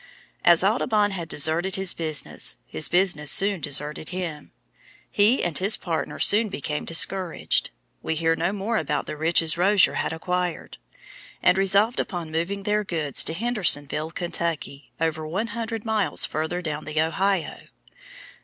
As Audubon had deserted his business, his business soon deserted him; he and his partner soon became discouraged (we hear no more about the riches Rozier had acquired), and resolved upon moving their goods to Hendersonville, Kentucky, over one hundred miles further down the Ohio.